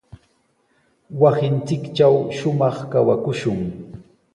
Wasinchiktraw shumaq kawakushun.